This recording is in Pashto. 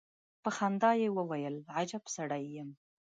په خندا يې وويل: اجب سړی يم.